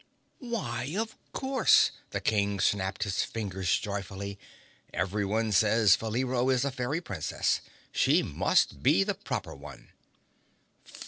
"Why, of course!" The King snapped his fingers joyfully. "Everyone says Faleero is a Fairy Princess. She must be the proper one!"